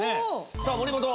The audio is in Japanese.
さあ森本。